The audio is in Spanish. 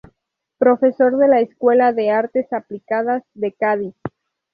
Profesor de la Escuela de Artes Aplicadas de Cádiz.